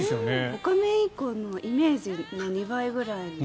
オカメインコのイメージの２倍ぐらい。